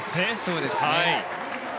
そうですね。